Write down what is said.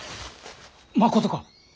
まことか！？